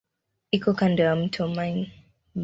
Iko kando ya mto Main.